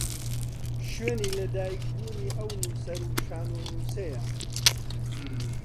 شوێنی لە دایکبوونی ئەو نووسەر و شانۆنووسەیە